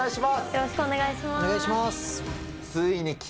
よろしくお願いします。